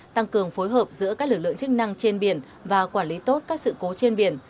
tăng cường phối hợp giữa các lực lượng chức năng trên biển và quản lý tốt các sự cố trên biển